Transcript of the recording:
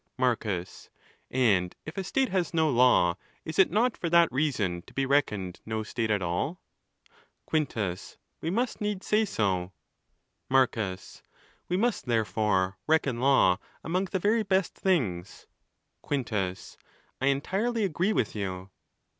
Marcus.—And if a state has no law, is it not for that reason to be reckoned no state at all? ON THE LAWS. 433 Quintus.—We must needs say so. Marcus.—We must therefore reckon law among the very best things. Quintus.—I entirely agree with you.